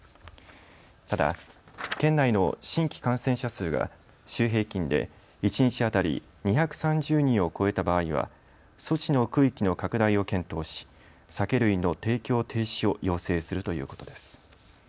ただ、県内の新規感染者数が週平均で１日当たり２３０人を超えた場合は措置の区域の拡大を検討し酒類の提供停止を要請するということです。